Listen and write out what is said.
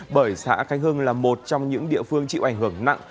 bởi xã khánh hưng là một trong những địa phương chịu ảnh hưởng nặng